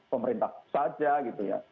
pemerintah saja gitu ya